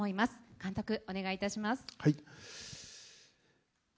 監督、お願いいたします。